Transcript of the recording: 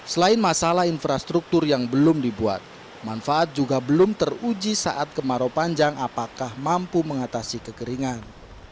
selain masalah infrastruktur yang belum dibuat manfaat juga belum teruji saat kemarau panjang apakah mampu mengatasi kekeringan